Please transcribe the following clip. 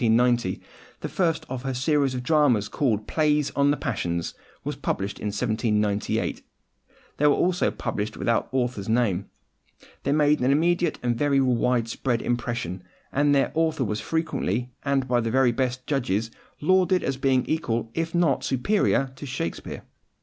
The first of her series of dramas, called Plays on the Passions, was published in 1798. These were also published without the author's name. They made an immediate and very widespread impression; and their author was frequently, and by the very best judges, lauded as being equal, if not superior, to Shakespeare.